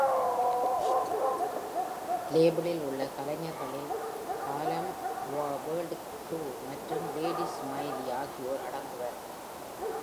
லேபிளில் உள்ள கலைஞர்களில் Harlem World Crew மற்றும் Lady Smiley ஆகியோர் அடங்குவர்.